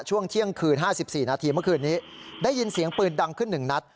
ช่วงเที่ยงคืน๕๔นาทีเมื่อคืนนี้ได้ยินเสียงปืนดังขึ้น๑นัด